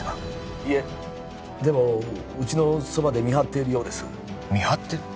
☎いえでもうちのそばで見張っているようです見張ってる！？